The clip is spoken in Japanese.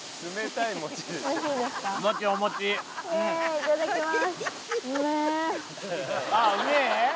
いただきます。